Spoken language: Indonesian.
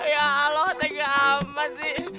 ya allah lagi amat sih